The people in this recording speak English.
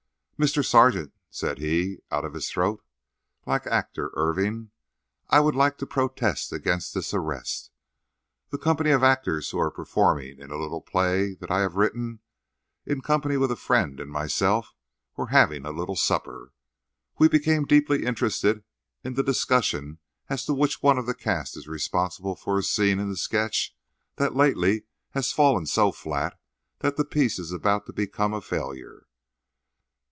"Mr. Sergeant," said he, out of his throat, like Actor Irving, "I would like to protest against this arrest. The company of actors who are performing in a little play that I have written, in company with a friend and myself were having a little supper. We became deeply interested in the discussion as to which one of the cast is responsible for a scene in the sketch that lately has fallen so flat that the piece is about to become a failure.